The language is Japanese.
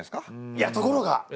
いやところが！